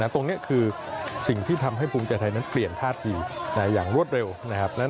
ตรงนี้คือสิ่งที่ทำให้ภูมิใจไทยนั้นเปลี่ยนท่าทีอย่างรวดเร็วนะครับ